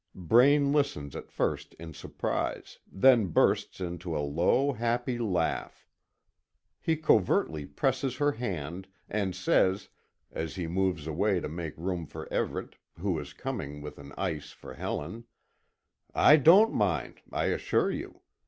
Braine listens at first in surprise, then bursts into a low, happy laugh. He covertly presses her hand, and says, as he moves away to make room for Everet, who is coming with an ice for Helen: "I don't mind, I assure you.